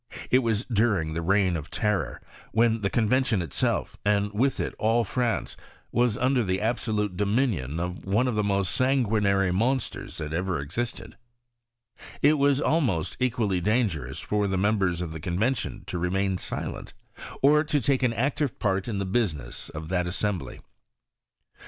It was during the reign of terror, when the Convention it self, and with it all France, was under the absolute dominion of one of the most sanguinary monsters that ever existed : it was almost equally dangerous for the members of the Convention to remain silent, or to take an active part in the business of that assem bly.